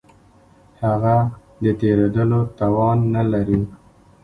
هغه د تېرېدلو توان نه لري.